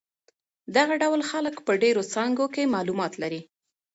دغه ډول خلک په ډېرو څانګو کې معلومات لري.